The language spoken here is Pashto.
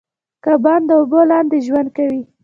کبان د اوبو لاندې ژوند کوي